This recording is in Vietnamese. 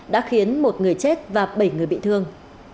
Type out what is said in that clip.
đã khiến một người chết và bảy người bị thương